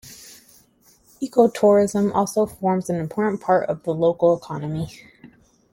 Eco-tourism also forms an important part of the local economy.